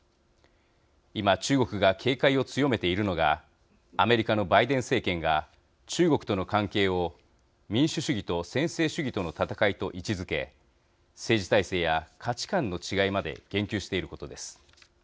今、中国が警戒を強めているのがアメリカのバイデン政権が中国との関係を民主主義と専制主義との戦いと位置づけ政治体制や価値観の違いまで言及していることです。